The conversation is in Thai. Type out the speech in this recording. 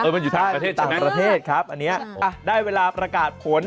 เออมันอยู่ทางประเภทใช่ไหมทางประเภทครับอันเนี้ยอ่ะได้เวลาประกาศผล